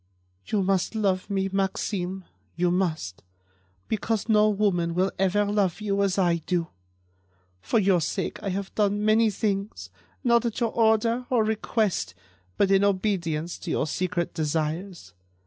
"You must love me, Maxime; you must—because no woman will ever love you as I do. For your sake, I have done many things, not at your order or request, but in obedience to your secret desires.